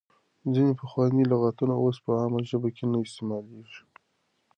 ځینې پخواني لغاتونه اوس په عامه ژبه کې نه استعمالېږي.